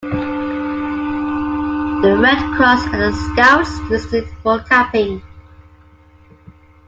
The Red Cross and the Scouts used it for camping.